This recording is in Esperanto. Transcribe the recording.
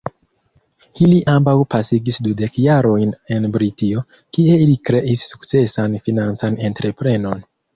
Ili ambaŭ pasigis dudek jarojn en Britio, kie ili kreis sukcesan financan entreprenon.